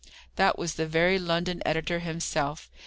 That was the very London editor himself.